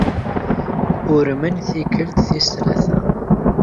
Urmen tikkelt tis tlata.